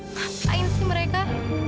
ngapain sih mereka